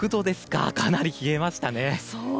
かなり冷えましたね。